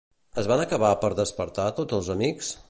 Es van acabar per despertar tots els amics?